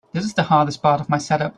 This is the hardest part of my setup.